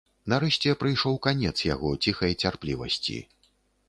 Нарэшце прыйшоў канец яго ціхай цярплівасці.